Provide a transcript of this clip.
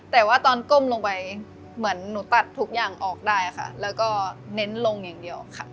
แต่ว่าตอนก้มลงไปเหมือนหนูตัดทุกอย่างออกได้ค่ะแล้วก็เน้นลงอย่างเดียวค่ะ